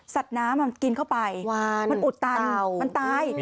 น้ำมันกินเข้าไปมันอุดตันมันตาย